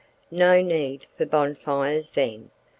No need for bonfires then.